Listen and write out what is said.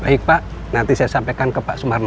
baik pak nanti saya sampaikan ke pak sumarno